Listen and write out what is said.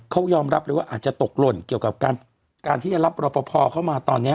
เขายอมรับเลยว่าอาจจะตกหล่นเกี่ยวกับการที่จะรับรอปภเข้ามาตอนนี้